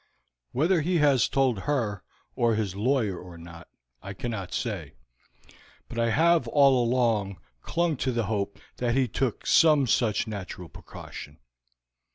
Whether he has told her or his lawyer or not I cannot say, but I have all along clung to the hope that he took some such natural precaution.